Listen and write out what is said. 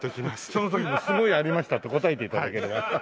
その時もすごいありましたって答えて頂ければ。